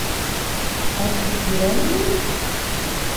— Ат һөт бирәме ни?